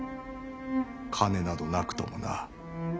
金などなくともな。